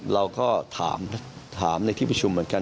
เราก็ถามในที่ประชุมเหมือนกัน